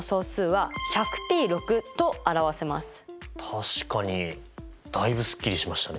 確かにだいぶすっきりしましたね。